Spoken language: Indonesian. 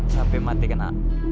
sapi mati kena